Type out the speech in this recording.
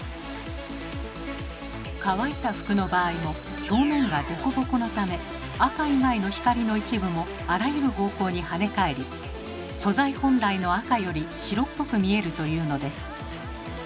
乾いた服の場合も表面がデコボコのため赤以外の光の一部もあらゆる方向にはね返り素材本来の赤より白っぽく見えるというのです。